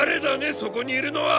そこにいるのは。